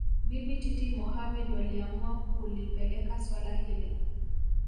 Bibi Titi Mohamed waliamua kulipeleka suala hili